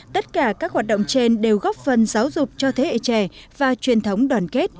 tất cả các hoạt động trên đều góp phần giáo dục cho thế hệ trẻ và truyền thống đoàn kết